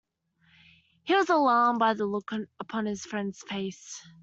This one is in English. He was alarmed by the look upon his friend's face.